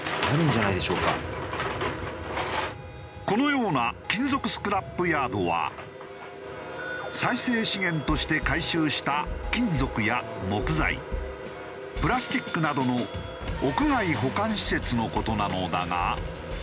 このような金属スクラップヤードは再生資源として回収した金属や木材プラスチックなどの屋外保管施設の事なのだが。